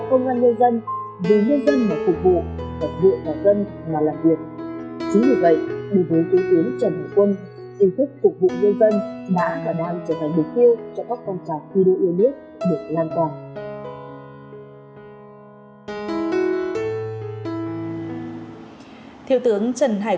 trong phong trào thi đua yêu nước chủ tịch hồ chí minh đã từng nói